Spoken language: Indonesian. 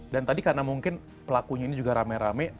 dan tadi karena mungkin pelakunya ini juga rame rame